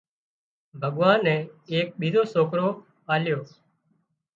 ڀڳوانئي ايڪ ٻيزو سوڪرو آليو